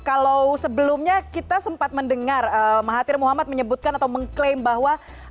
kalau sebelumnya kita sempat mendengar mahathir muhammad menyebutkan atau mengklaim bahwa